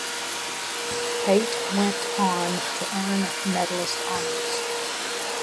Pate went on to earn medallist honors.